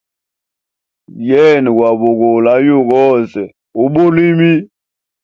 Yena gwa bugule ayugu ose ubulimi.